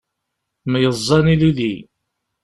Myeẓẓan ilili.